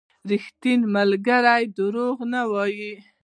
• ریښتینی ملګری دروغ نه وايي.